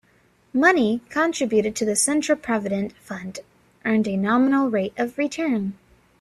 Money contributed to the Central Provident Fund earned a nominal rate of return.